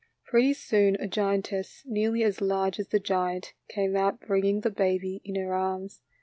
Pretty soon a giantess, nearly as large as the giant, came out bringing the baby in her arms.